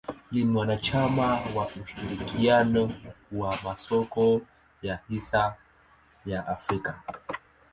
Ni mwanachama wa ushirikiano wa masoko ya hisa ya Afrika.